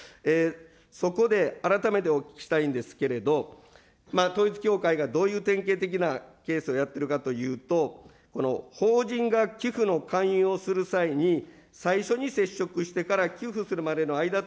そこで、改めてお聞きしたいんですけれども、統一教会がどういう典型的なケースがやってるかというと、法人が寄付の勧誘をする際に最初に接触してから寄付するまでの間